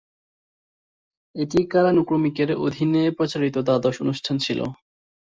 এটি কালানুক্রমিকের অধীনে প্রচারিত দ্বাদশ অনুষ্ঠান ছিল।